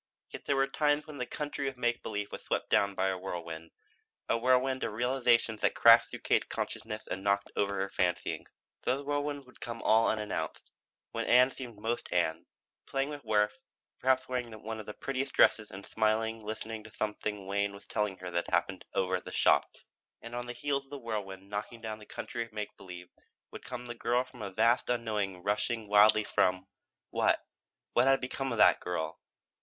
Yet there were times when the country of make believe was swept down by a whirlwind, a whirlwind of realization which crashed through Katie's consciousness and knocked over the fancyings. Those whirlwinds would come all unannounced; when Ann seemed most Ann, playing with Worth, perhaps wearing one of the prettiest dresses and smilingly listening to something Wayne was telling her had happened over at the shops. And on the heels of the whirlwind knocking down the country of make believe would come the girl from a vast unknown rushing wildly from what? What had become of that girl?